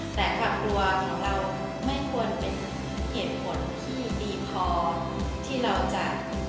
แต่ความกลัวของเราไม่ควรเป็นเหตุผลที่ดีพอที่เราจะ